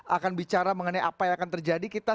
akan bicara mengenai apa yang akan terjadi kita